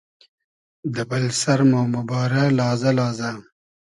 دۂ بئل سئر مۉ بوبارۂ لازۂ لازۂ